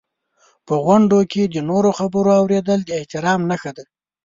په غونډو کې د نورو خبرو اورېدل د احترام نښه ده.